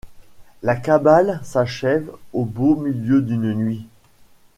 La cabale s'achève au beau milieu d'une nuit.